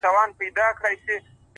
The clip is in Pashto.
هره هڅه د بریا پر لور حرکت دی!